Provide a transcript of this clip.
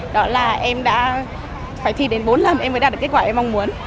đó là em đã phải thi đến bốn lần em mới đạt được kết quả em mong muốn